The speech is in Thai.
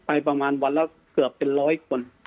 ไปประมาณวันละเกือบเป็น๑๐๐คน